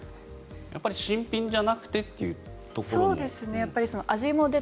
やっぱり新品じゃなくてっていうところも？